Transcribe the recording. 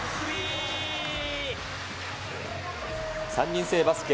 ３人制バスケ